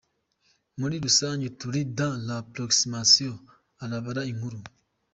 Muri rusange turi dans l’approximation, arabara inkuru.